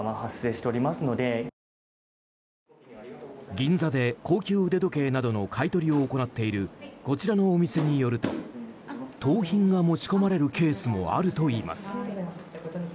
銀座で高級腕時計などの買い取りを行っているこちらのお店によると盗品が持ち込まれるケースもあるといいます。